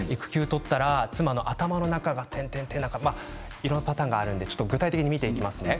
いろんなパターンがあるので具体的に見ていきますね。